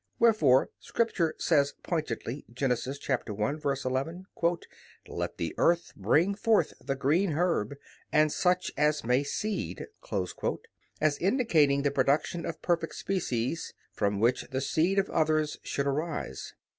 Wherefore Scripture says pointedly (Gen. 1:11): "Let the earth bring forth the green herb, and such as may seed," as indicating the production of perfect species, from which the seed of others should arise.